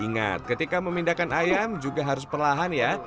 ingat ketika memindahkan ayam juga harus perlahan ya